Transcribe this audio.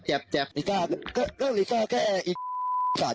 อีสานก็ก็ดีกว่าก็แอ้อีสาน